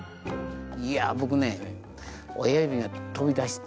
いや僕ねあ。